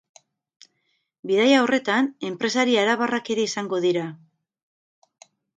Bidaia horretan, enpresari arabarrak ere izango dira.